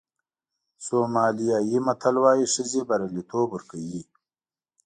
سومالیایي متل وایي ښځې بریالیتوب ورکوي.